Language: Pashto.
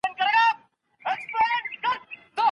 ډېری کورنۍ د خپلو ماشومانو د خونديتوب لپاره ښارونو ته ولاړې.